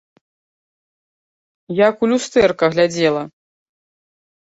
Як у люстэрка глядзела!